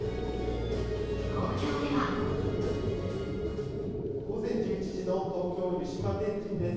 東京では午前１１時の東京・湯島天神です。